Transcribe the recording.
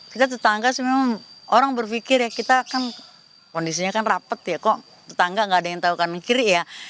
kita tetangga sih memang orang berpikir ya kita kan kondisinya kan rapat ya kok tetangga gak ada yang tahu kanan kiri ya